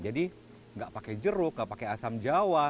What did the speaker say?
jadi enggak pakai jeruk enggak pakai asam jawa